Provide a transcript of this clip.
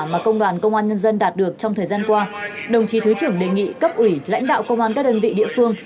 mà công đoàn công an nhân dân đạt được trong thời gian qua đồng chí thứ trưởng đề nghị cấp ủy lãnh đạo công an các đơn vị địa phương